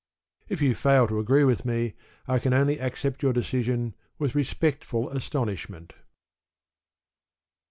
If you fail to agree with me I can only accept your decision with respectful astonishment.